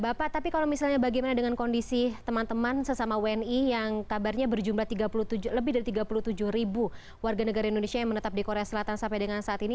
bapak tapi kalau misalnya bagaimana dengan kondisi teman teman sesama wni yang kabarnya berjumlah lebih dari tiga puluh tujuh ribu warga negara indonesia yang menetap di korea selatan sampai dengan saat ini